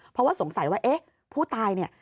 เพราะว่าสงสัยว่าเอ๊ะผู้ตายเนี่ย